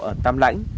ở tâm lãnh